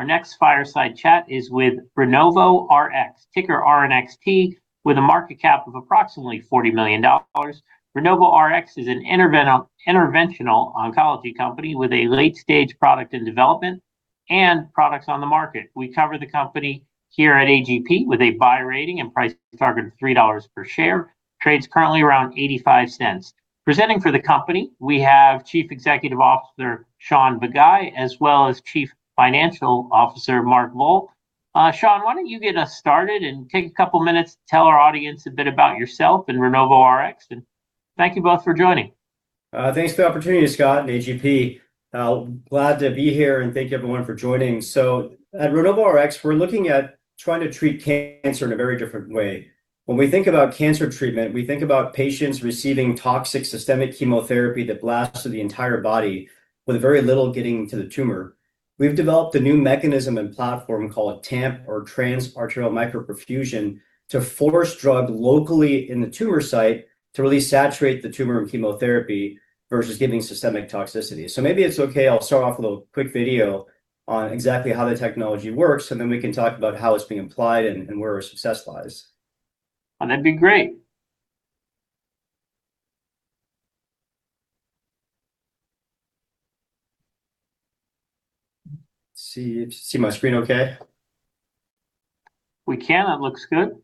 Our next fireside chat is with RenovoRx, ticker RNXT, with a market cap of approximately $40 million. RenovoRx is an interventional oncology company with a late-stage product in development and products on the market. We cover the company here at AGP with a buy rating and price target of $3 per share. Trades currently around $0.85. Presenting for the company, we have Chief Executive Officer, Shaun Bagai, as well as Chief Financial Officer, Mark Voll. Shaun, why don't you get us started and take a couple of minutes to tell our audience a bit about yourself and RenovoRx, and thank you both for joining. Thanks for the opportunity, Scott and AGP. Glad to be here, thank you everyone for joining. At RenovoRx, we're looking at trying to treat cancer in a very different way. When we think about cancer treatment, we think about patients receiving toxic systemic chemotherapy that blasts through the entire body with very little getting to the tumor. We've developed a new mechanism and platform called TAMP, or Trans-Arterial Micro-Perfusion, to force drug locally in the tumor site to really saturate the tumor in chemotherapy versus giving systemic toxicity. Maybe it's okay, I'll start off with a quick video on exactly how the technology works, we can talk about how it's being applied and where our success lies. That'd be great. See my screen okay? We can. It looks good.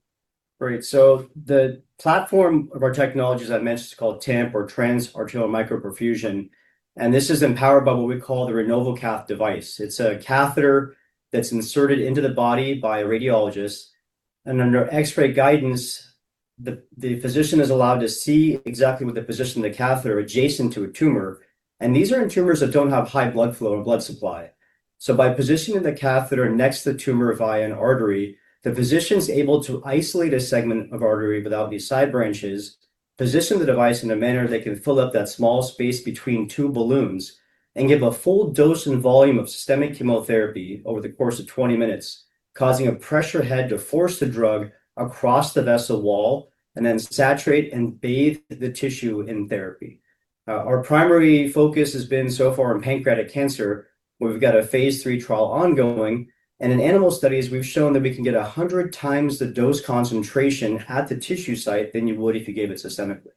Great. The platform of our technology, as I mentioned, is called TAMP, or Trans-Arterial Micro-Perfusion, and this is empowered by what we call the RenovoCath device. It's a catheter that's inserted into the body by a radiologist, and under X-ray guidance, the physician is allowed to see exactly with the position of the catheter adjacent to a tumor, and these are in tumors that don't have high blood flow or blood supply. By positioning the catheter next to the tumor via an artery, the physician's able to isolate a segment of artery without these side branches, position the device in a manner that can fill up that small space between two balloons, and give a full dose and volume of systemic chemotherapy over the course of 20 minutes, causing a pressure head to force the drug across the vessel wall and then saturate and bathe the tissue in therapy. Our primary focus has been so far on pancreatic cancer, where we've got a phase III trial ongoing, and in animal studies, we've shown that we can get 100x the dose concentration at the tissue site than you would if you gave it systemically.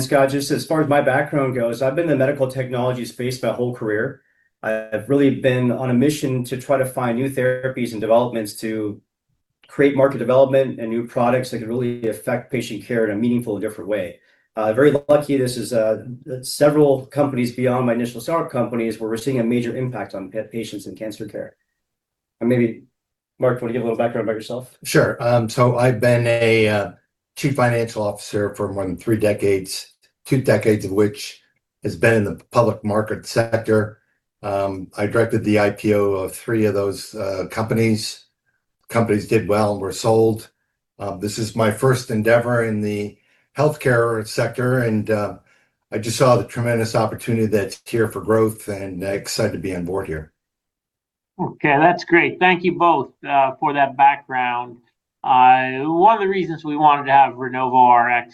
Scott, just as far as my background goes, I've been in the medical technology space my whole career. I've really been on a mission to try to find new therapies and developments to create market development and new products that can really affect patient care in a meaningful and different way. Very lucky this is several companies beyond my initial startup companies where we're seeing a major impact on patients and cancer care. Maybe Mark, want to give a little background about yourself? Sure. I've been a Chief Financial Officer for more than three decades, two decades of which has been in the public market sector. I directed the IPO of three of those companies. Companies did well and were sold. This is my first endeavor in the healthcare sector, and I just saw the tremendous opportunity that's here for growth and excited to be on board here. Okay, that's great. Thank you both for that background. One of the reasons we wanted to have RenovoRx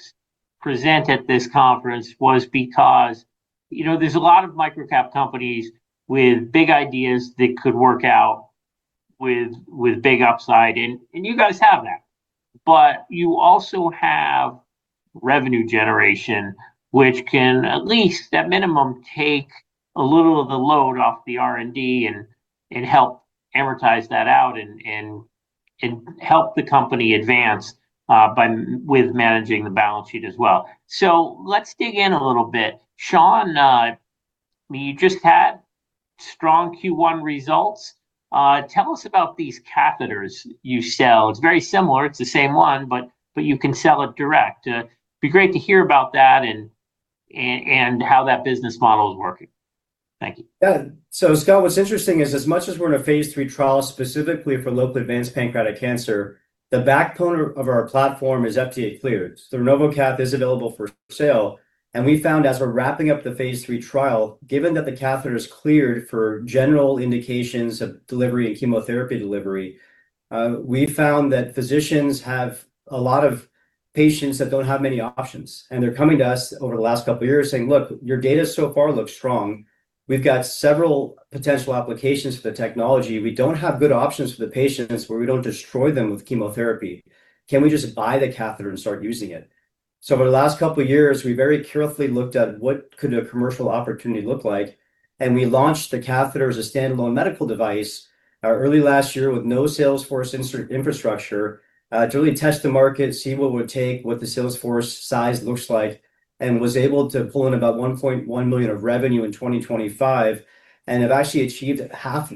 present at this conference was because there's a lot of microcap companies with big ideas that could work out with big upside, and you guys have that. But you also have revenue generation which can at least, at minimum, take a little of the load off the R&D and help amortize that out and help the company advance with managing the balance sheet as well. Let's dig in a little bit. Shaun, you just had strong Q1 results. Tell us about these catheters you sell. It's very similar. It's the same one, but you can sell it direct. It'd be great to hear about that and how that business model is working. Thank you. Scott, what's interesting is as much as we're in a phase III trial specifically for locally advanced pancreatic cancer, the backbone of our platform is FDA cleared. The RenovoCath is available for sale, we found as we're wrapping up the phase III trial, given that the catheter is cleared for general indications of delivery and chemotherapy delivery, we found that physicians have a lot of patients that don't have many options. They're coming to us over the last couple of years saying, "Look, your data so far looks strong. We've got several potential applications for the technology. We don't have good options for the patients where we don't destroy them with chemotherapy. Can we just buy the catheter and start using it?" Over the last couple of years, we very carefully looked at what could a commercial opportunity look like, and we launched the catheter as a standalone medical device early last year with no salesforce infrastructure to really test the market, see what would take, what the salesforce size looks like, and was able to pull in about $1.1 million of revenue in 2025 and have actually achieved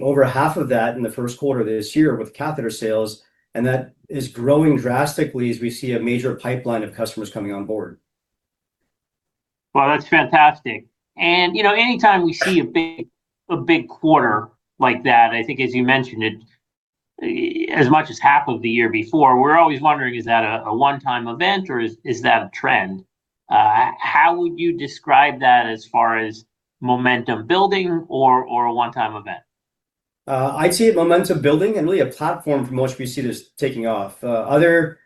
over half of that in the first quarter of this year with catheter sales, and that is growing drastically as we see a major pipeline of customers coming on board. Well, that's fantastic. Anytime we see a big quarter like that, I think as you mentioned it, as much as half of the year before, we're always wondering, is that a one-time event or is that a trend? How would you describe that as far as momentum building or a one-time event? I see it momentum building and really a platform from which we see this taking off. Other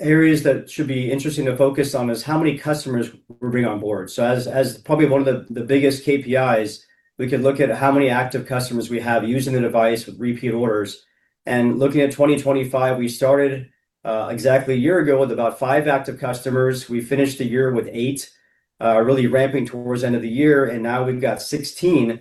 areas that should be interesting to focus on is how many customers we're bringing on board. As probably one of the biggest KPIs, we could look at how many active customers we have using the device with repeat orders. Looking at 2025, we started exactly a year ago with about five active customers. We finished the year with eight, really ramping towards end of the year, and now we've got 16.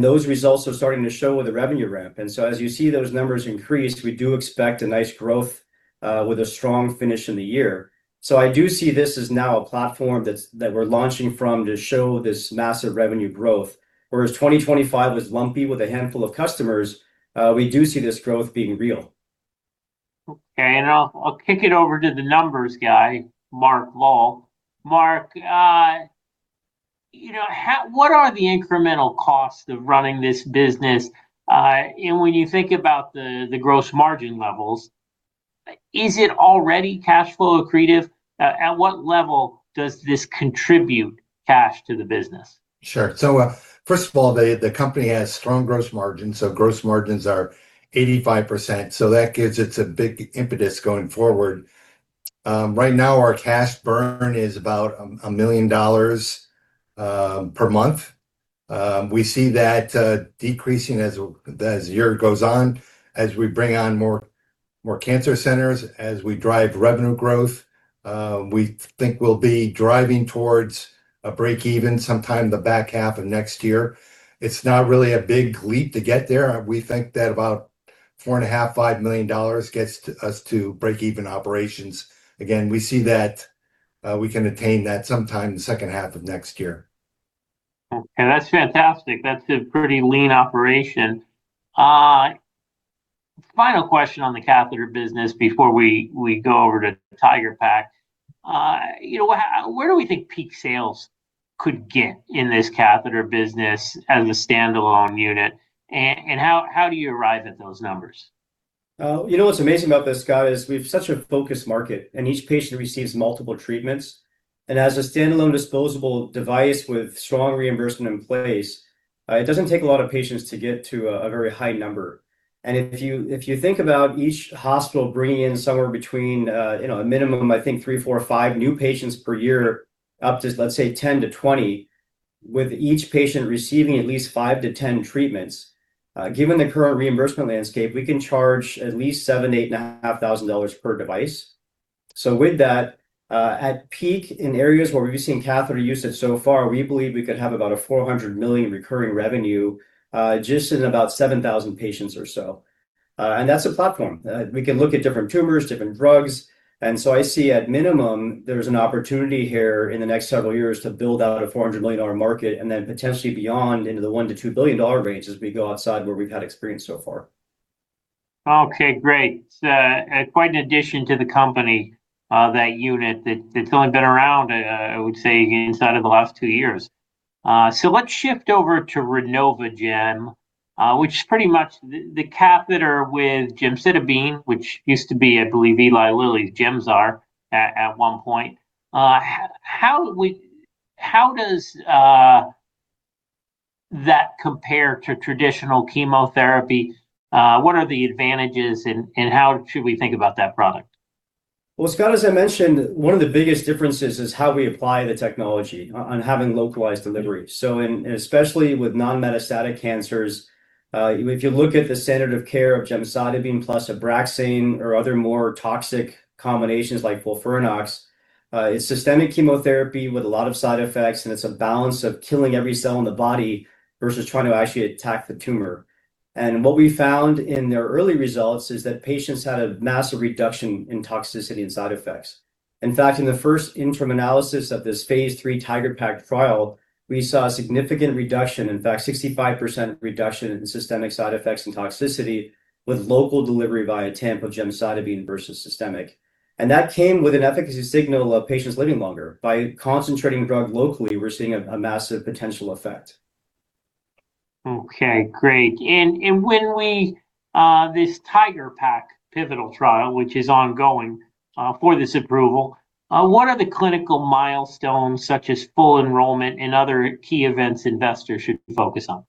Those results are starting to show with the revenue ramp. As you see those numbers increase, we do expect a nice growth with a strong finish in the year. I do see this as now a platform that we're launching from to show this massive revenue growth. Whereas 2025 was lumpy with a handful of customers, we do see this growth being real. Okay. I'll kick it over to the numbers guy, Mark Voll. Mark, what are the incremental costs of running this business? When you think about the gross margin levels, is it already cash flow accretive? At what level does this contribute cash to the business? Sure. First of all, the company has strong gross margins. Gross margins are 85%, that gives it a big impetus going forward. Right now our cash burn is about $1 million per month. We see that decreasing as the year goes on, as we bring on more cancer centers, as we drive revenue growth. We think we'll be driving towards a break even sometime the back half of next year. It's not really a big leap to get there. We think that about $4.5 million-$5 million gets us to break even operations. Again, we see that we can attain that sometime the second half of next year. Okay. That's fantastic. That's a pretty lean operation. Final question on the catheter business before we go over to TIGeR-PaC. Where do we think peak sales could get in this catheter business as a standalone unit, and how do you arrive at those numbers? What's amazing about this, Scott, is we have such a focused market. Each patient receives multiple treatments. As a standalone disposable device with strong reimbursement in place, it doesn't take a lot of patients to get to a very high number. If you think about each hospital bringing in somewhere between a minimum, I think three, four, five new patients per year, up to let's say 10-20, with each patient receiving at least 5-10 treatments. Given the current reimbursement landscape, we can charge at least $7,000, $8,500 per device. With that, at peak in areas where we've seen catheter usage so far, we believe we could have about a $400 million recurring revenue, just in about 7,000 patients or so. That's a platform. We can look at different tumors, different drugs. I see at minimum, there's an opportunity here in the next several years to build out a $400 million market and then potentially beyond into the $1 billion-$2 billion range as we go outside where we've had experience so far. Okay, great. Quite an addition to the company, that unit that's only been around, I would say inside of the last two years. Let's shift over to RenovoGem, which is pretty much the catheter with gemcitabine, which used to be, I believe, Eli Lilly's Gemzar at one point. How does that compare to traditional chemotherapy? What are the advantages and how should we think about that product? Well, Scott, as I mentioned, one of the biggest differences is how we apply the technology on having localized delivery. Especially with non-metastatic cancers, if you look at the standard of care of gemcitabine plus ABRAXANE or other more toxic combinations like FOLFIRINOX, it's systemic chemotherapy with a lot of side effects and it's a balance of killing every cell in the body versus trying to actually attack the tumor. What we found in their early results is that patients had a massive reduction in toxicity and side effects. In fact, in the first interim analysis of this phase III TIGeR-PaC trial, we saw a significant reduction, in fact, 65% reduction in systemic side effects and toxicity with local delivery via TAMP of gemcitabine versus systemic. That came with an efficacy signal of patients living longer. By concentrating drug locally, we're seeing a massive potential effect. Okay, great. This TIGeR-PaC pivotal trial, which is ongoing for this approval, what are the clinical milestones such as full enrollment and other key events investors should focus on?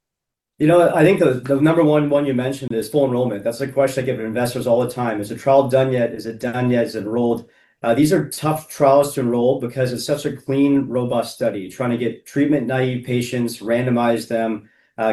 I think the number one you mentioned is full enrollment. That's the question I get from investors all the time. Is the trial done yet? Is it done yet? Is it enrolled? These are tough trials to enroll because it's such a clean, robust study, trying to get treatment-naive patients, randomize them,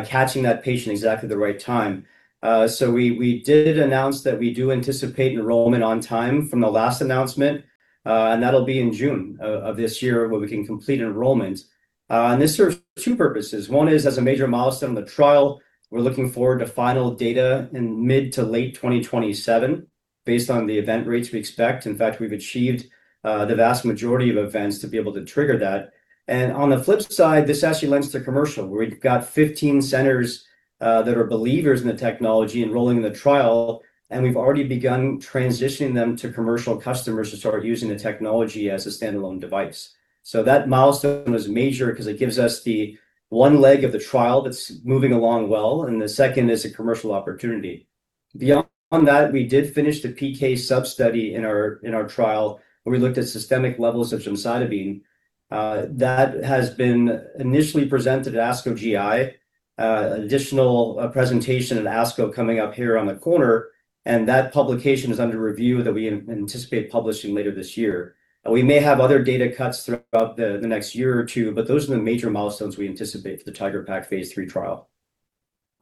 catching that patient exactly at the right time. We did announce that we do anticipate enrollment on time from the last announcement. That'll be in June of this year where we can complete enrollment. This serves two purposes. One is as a major milestone in the trial, we're looking forward to final data in mid to late 2027 based on the event rates we expect. In fact, we've achieved the vast majority of events to be able to trigger that. On the flip side, this actually lends to commercial. We've got 15 centers that are believers in the technology enrolling in the trial, and we've already begun transitioning them to commercial customers to start using the technology as a standalone device. That milestone was major because it gives us the one leg of the trial that's moving along well, and the second is a commercial opportunity. Beyond that, we did finish the PK sub-study in our trial, where we looked at systemic levels of gemcitabine. That has been initially presented at ASCO GI. Additional presentation at ASCO coming up here on the corner, and that publication is under review that we anticipate publishing later this year. We may have other data cuts throughout the next year or two, but those are the major milestones we anticipate for the TIGeR-PaC phase III trial.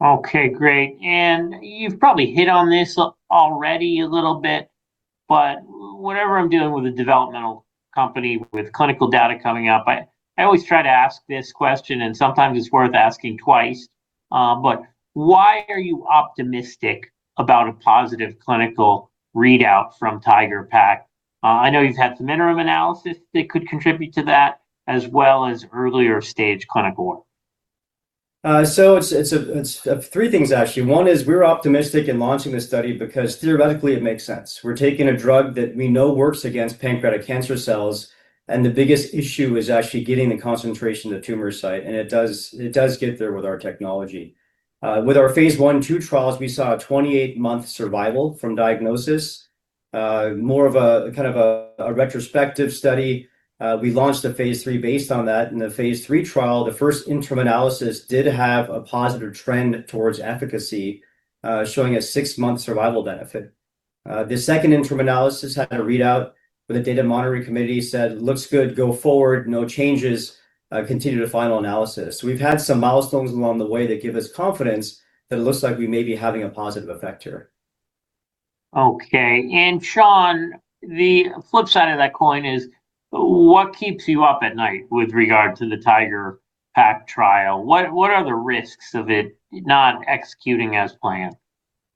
Okay, great. You've probably hit on this already a little bit, but whenever I'm dealing with a developmental company with clinical data coming up, I always try to ask this question, and sometimes it's worth asking twice. Why are you optimistic about a positive clinical readout from TIGeR-PaC? I know you've had some interim analysis that could contribute to that, as well as earlier stage clinical work. It's three things, actually. One is we were optimistic in launching this study because theoretically it makes sense. We're taking a drug that we know works against pancreatic cancer cells, and the biggest issue is actually getting the concentration to the tumor site. It does get there with our technology. With our phase I, II trials, we saw a 28-month survival from diagnosis. More of a retrospective study. We launched a phase III based on that, the phase III trial, the first interim analysis did have a positive trend towards efficacy, showing a six-month survival benefit. The second interim analysis had a readout where the data monitoring committee said, "Looks good, go forward. No changes. Continue to final analysis." We've had some milestones along the way that give us confidence that it looks like we may be having a positive effect here. Okay. Shaun, the flip side of that coin is what keeps you up at night with regard to the TIGeR-PaC trial? What are the risks of it not executing as planned?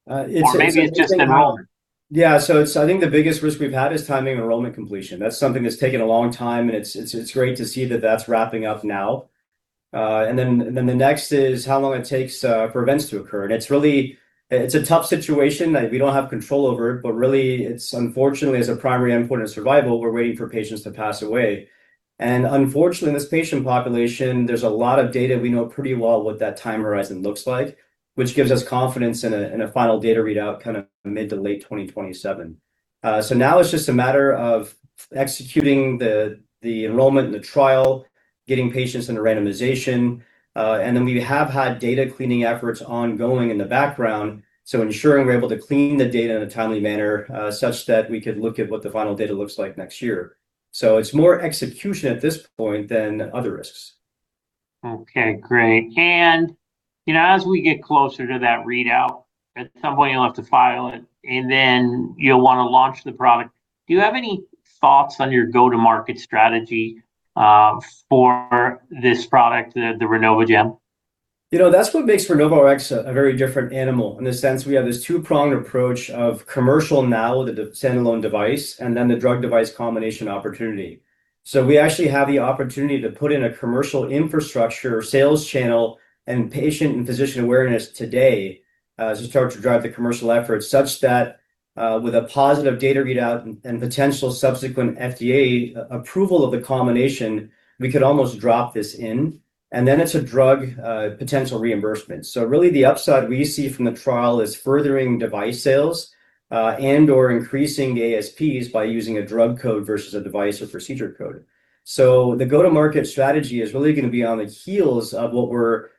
Or maybe it's just enrollment. Yeah. I think the biggest risk we've had is timing enrollment completion. That's something that's taken a long time, and it's great to see that that's wrapping up now. The next is how long it takes for events to occur. It's a tough situation that we don't have control over, but really, it's unfortunately as a primary endpoint of survival, we're waiting for patients to pass away. Unfortunately, in this patient population, there's a lot of data we know pretty well what that time horizon looks like, which gives us confidence in a final data readout mid to late 2027. Now it's just a matter of executing the enrollment and the trial, getting patients into randomization, and then we have had data cleaning efforts ongoing in the background, so ensuring we're able to clean the data in a timely manner, such that we could look at what the final data looks like next year. It's more execution at this point than other risks. Okay, great. As we get closer to that readout, at some point you'll have to file it, and then you'll want to launch the product. Do you have any thoughts on your go-to-market strategy for this product, the RenovoGem? That's what makes RenovoRx a very different animal in the sense we have this two-pronged approach of commercial now with the standalone device, and then the drug device combination opportunity. We actually have the opportunity to put in a commercial infrastructure, sales channel, and patient and physician awareness today to start to drive the commercial effort, such that with a positive data readout and potential subsequent FDA approval of the combination, we could almost drop this in, and then it's a drug potential reimbursement. Really the upside we see from the trial is furthering device sales, and/or increasing the ASPs by using a drug code versus a device or procedure code. The go-to-market strategy is really going to be on the heels of what were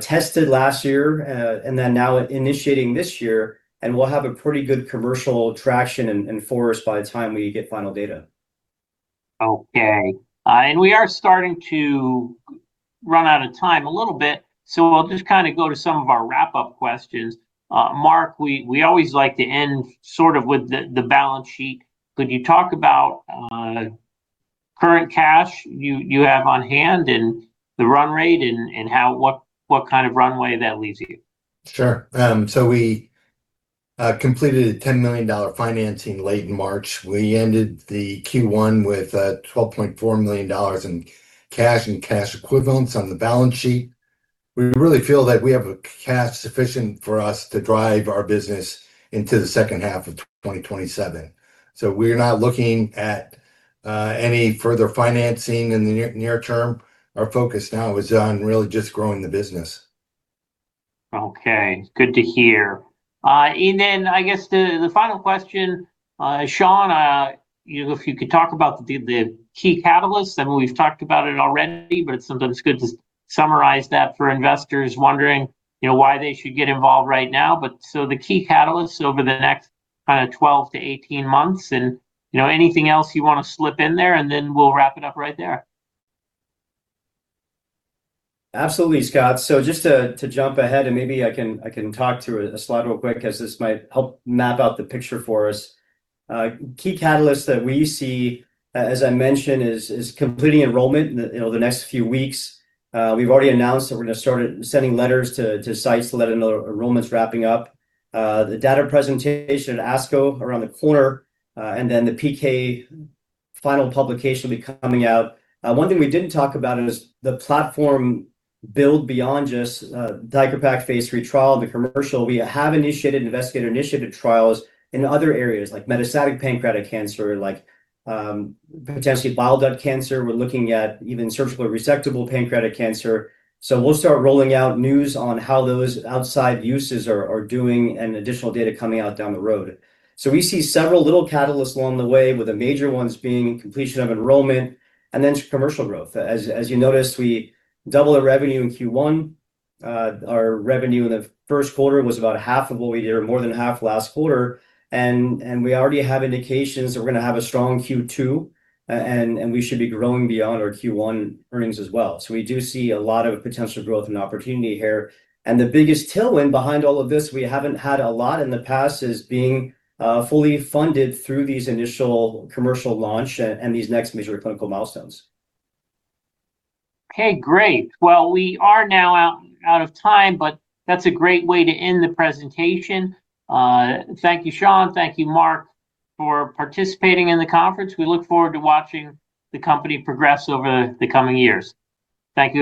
tested last year, and then now initiating this year, and we'll have a pretty good commercial traction and force by the time we get final data. Okay. We are starting to run out of time a little bit, so I'll just go to some of our wrap-up questions. Mark, we always like to end with the balance sheet. Could you talk about current cash you have on hand and the run rate and what kind of runway that leaves you? Sure. We completed a $10 million financing late in March. We ended the Q1 with $12.4 million in cash and cash equivalents on the balance sheet. We really feel that we have a cash sufficient for us to drive our business into the second half of 2027. We're not looking at any further financing in the near term. Our focus now is on really just growing the business. Okay. Good to hear. I guess the final question, Shaun, if you could talk about the key catalysts. I mean, we've talked about it already, but it's sometimes good to summarize that for investors wondering why they should get involved right now. The key catalysts over the next 12-18 months and anything else you want to slip in there, and then we'll wrap it up right there. Absolutely, Scott. Just to jump ahead, and maybe I can talk to a slide real quick as this might help map out the picture for us. Key catalysts that we see, as I mentioned, is completing enrollment in the next few weeks. We've already announced that we're going to start sending letters to sites to let them know that enrollment's wrapping up. The data presentation at ASCO around the corner, and then the PK final publication will be coming out. One thing we didn't talk about is the platform build beyond just TIGeR-PaC phase III trial and the commercial. We have initiated investigator-initiated trials in other areas like metastatic pancreatic cancer, like potentially bile duct cancer. We're looking at even surgically resectable pancreatic cancer. We'll start rolling out news on how those outside uses are doing and additional data coming out down the road. We see several little catalysts along the way, with the major ones being completion of enrollment and then commercial growth. As you noticed, we doubled our revenue in Q1. Our revenue in the first quarter was about half of what we did or more than half last quarter, and we already have indications that we're going to have a strong Q2, and we should be growing beyond our Q1 earnings as well. We do see a lot of potential growth and opportunity here. The biggest tailwind behind all of this, we haven't had a lot in the past, is being fully funded through these initial commercial launch and these next major clinical milestones. Okay, great. Well, we are now out of time, but that's a great way to end the presentation. Thank you, Shaun, thank you, Mark, for participating in the conference. We look forward to watching the company progress over the coming years. Thank you